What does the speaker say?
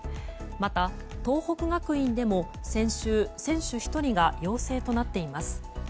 また、東北学院でも先週、選手１人が陽性となっています。